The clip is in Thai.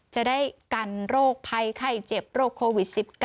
จะได้กันโรคภัยไข้เจ็บโรคโควิด๑๙